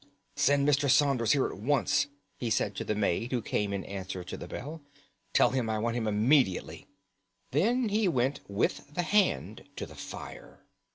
"Send Mr. Saunders here at once," he said to the maid who came in answer to the bell. "Tell him I want him immediately." Then he went with the hand to the fire.